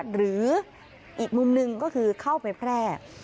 หรืออีกมุมหนึ่งก็คือเข้าไปแพร่